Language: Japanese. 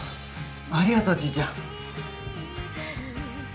ありがとうちーちゃん！